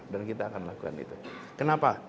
dan kita akan lakukan itu kenapa